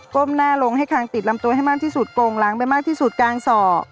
้มหน้าลงให้คางติดลำตัวให้มากที่สุดโกงล้างไปมากที่สุดกลางส่อ